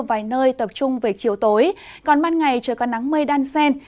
vài nơi tập trung về chiều tối còn ban ngày trời có nắng mây đan xen